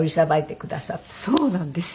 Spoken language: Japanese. そうなんですよ。